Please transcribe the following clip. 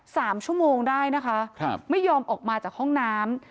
สามชั่วโมงได้นะคะครับไม่ยอมออกมาจากห้องน้ำ